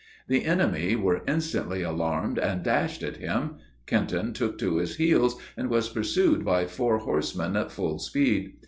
The enemy were instantly alarmed, and dashed at him. Kenton took to his heels, and was pursued by four horsemen at full speed.